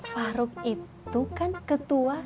faruk itu kan ketua